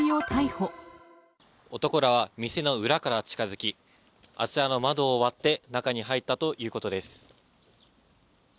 男らは店の裏から近づき、あちらの窓を割って、中に入ったということです。